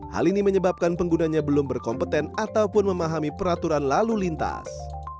hal ini menyebabkan penggunanya belum berkompeten ataupun memahami peraturan lalu lintas